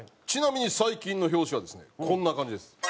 ちなみに最近の表紙はですねこんな感じです。